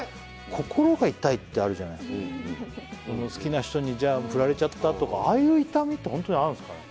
心が痛いってあるじゃない好きな人にフラれちゃったとかああいう痛みって本当にあるんですかね？